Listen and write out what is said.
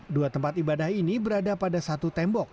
dua tempat ibadah ini berada pada satu tembok